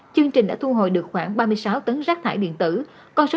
cũng đã từng chữa